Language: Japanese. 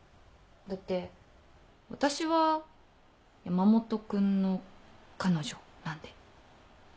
だって私は山本君の彼女なんで。